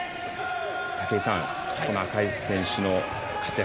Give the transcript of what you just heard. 武井さん、赤石選手の活躍